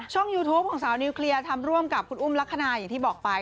ยูทูปของสาวนิวเคลียร์ทำร่วมกับคุณอุ้มลักษณะอย่างที่บอกไป